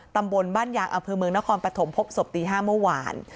ตำบลบ้านยางอำเภอเมืองนครปฐมพบศพตี๕เมื่อวาน